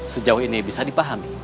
sejauh ini bisa dipahami